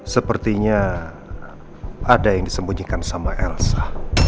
sepertinya ada yang disembunyikan sama elsa